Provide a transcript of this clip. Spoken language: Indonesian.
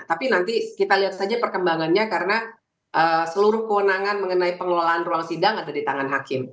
tapi nanti kita lihat saja perkembangannya karena seluruh kewenangan mengenai pengelolaan ruang sidang ada di tangan hakim